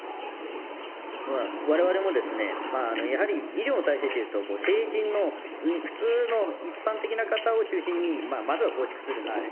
われわれも、やはり医療の体制というと、成人の普通の一般的な方を中心に、まずは構築するんですね。